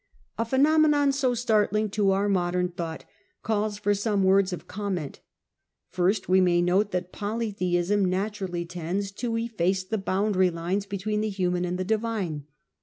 A phenomenon so startling to tions. our modem thought calls for some words of comment First, we may note that polytheism naturally tends to ft.C. 31 40 The Earlier Empire. efface the boundary lines between the human and the ^ divine.